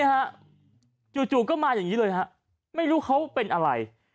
จู่ก็มาอย่างนี้เลยฮะไม่รู้เขาเป็นอะไร